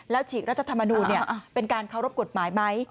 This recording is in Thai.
ฉีกรัฐธรรมนูลเป็นการเคารพกฎหมายไหม